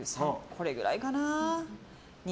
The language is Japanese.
これぐらいかな。